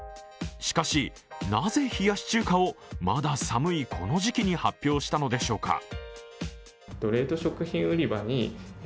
しかし、なぜ冷やし中華をまだ寒いこの時期に発表したのでしょうか。